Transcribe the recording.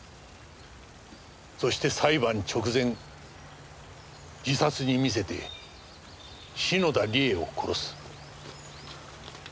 そして裁判直前自殺に見せて篠田理恵を殺す。